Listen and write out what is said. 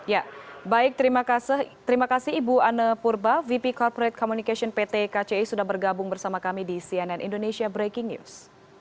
ya baik terima kasih ibu anne purba vp corporate communication pt kci sudah bergabung bersama kami di cnn indonesia breaking news